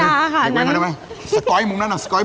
เด็กแว้นคนนั้นได้ไหม